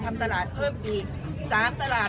๓๑ตลาดคราวส้ามอื่นไปพันธุ์นะครับ